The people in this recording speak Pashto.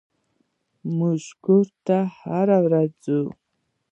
موږ کور ته هره ورځ ځو.